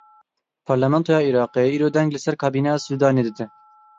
Parlamentoya Iraqê îro deng li ser kabîneya Sûdanî dide.